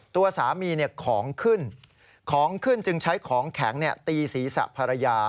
ตัวสามีของขึ้นของขึ้นจึงใช้ของแข็งตีศีรษะภรรยา